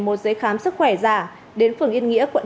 một giấy khám sức khỏe giả đến phường yên nghĩa quận